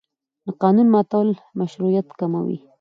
د قانون ماتول مشروعیت کموي